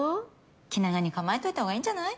気長に構えといたほうがいいんじゃない？